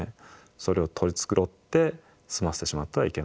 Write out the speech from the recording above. それを取り繕って済ましてしまってはいけないと。